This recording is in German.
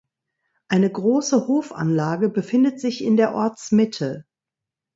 Eine große Hofanlage befindet sich in der Ortsmitte.